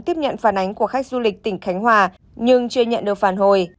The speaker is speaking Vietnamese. tiếp nhận phản ánh của khách du lịch tỉnh khánh hòa nhưng chưa nhận được phản hồi